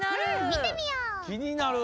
見てみよう！